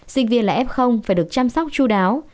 sinh viên là f phải được chăm sóc chú đáo